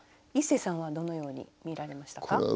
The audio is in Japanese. イッセーさんはどのように見られましたか？